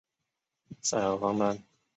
塞尔方丹。